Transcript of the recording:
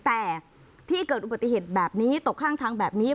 แต่ที่เกิดอุบัติเหตุแบบนี้ตกข้างทางแบบนี้